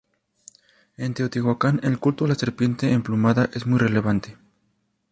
En Teotihuacan el culto a la Serpiente Emplumada es muy relevante.